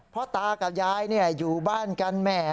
พ่อตากับยายอยู่บ้านกันแหม